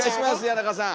谷中さん。